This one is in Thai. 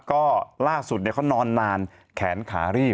ก็ล่าสุดเขานอนนานแขนขารีบ